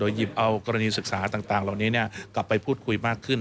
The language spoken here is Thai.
หยิบเอากรณีศึกษาต่างเหล่านี้กลับไปพูดคุยมากขึ้น